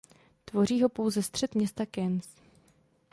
Tvoří ho pouze střed města Cannes.